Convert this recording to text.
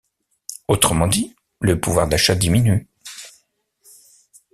Autrement dit, le pouvoir d'achat diminue.